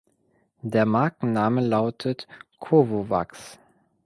Der Markenname lautet "Covovax".